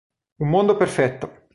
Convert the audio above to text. Un mondo perfetto